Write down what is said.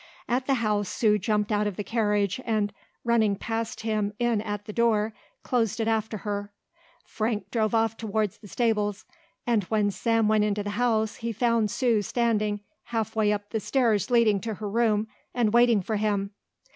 At the house Sue jumped out of the carriage and, running past him in at the door, closed it after her. Frank drove off toward the stables and when Sam went into the house he found Sue standing half way up the stairs leading to her room and waiting for him.